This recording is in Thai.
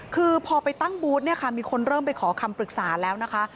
คือพอไปตั้งบูธเนี่ยค่ะมีคนเริ่มไปขอคำปรึกษาแล้วนะคะ